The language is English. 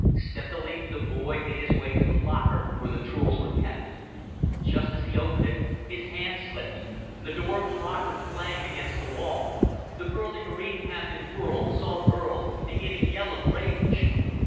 Stealthily, the boy made his way to the locker where the tools were kept. Just as he opened it, his hand slipped. The door of the locker clanged against the wall. The burly Marine captain whirled, saw Burl, and gave a yell of rage.